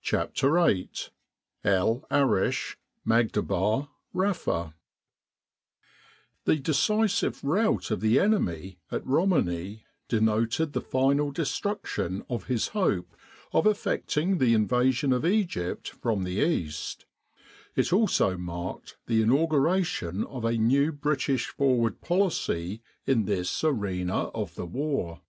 CHAPTER VIII EL ARISH MAGHDABA RAFA THE decisive rout of the enemy at Roman i denoted the final destruction of his hope of effecting the in vasion of Egypt from the east; it also marked the inauguration of a new British forward policy in this arena of the war.